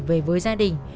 về với gia đình